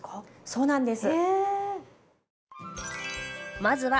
そうなんです。